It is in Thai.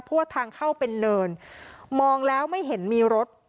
เพราะว่าทางเข้าเป็นเนินมองแล้วไม่เห็นมีรถ